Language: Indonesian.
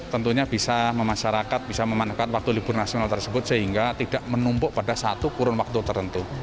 tentunya bisa masyarakat bisa memanfaatkan waktu libur nasional tersebut sehingga tidak menumpuk pada satu kurun waktu tertentu